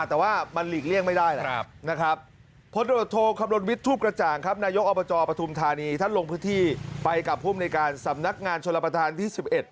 แต่ว่ามันหลีกเลี่ยงไม่ได้นะครับพลตรวจโทคำนวณวิทย์ทูปกระจ่างครับนายกอบจปฐุมธานีท่านลงพื้นที่ไปกับภูมิในการสำนักงานชลประธานที่๑๑